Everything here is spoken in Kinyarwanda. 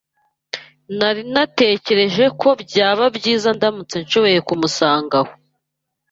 Nari natekereje ko byaba byiza ndamutse nshoboye kumusanga aho.